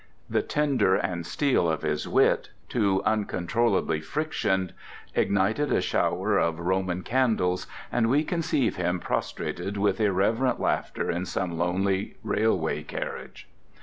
The tinder and steel of his wit, too uncontrollably frictioned, ignited a shower of roman candles, and we conceive him prostrated with irreverent laughter in some lonely railway carriage.